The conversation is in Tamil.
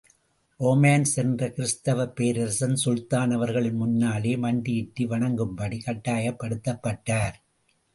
ரோமானஸ் என்ற கிறிஸ்தவப் பேரரசன், சுல்தான் அவர்களின் முன்னாலே மண்டியிட்டு வணங்கும்படி கட்டாயப்படுத்தப் பட்டார்.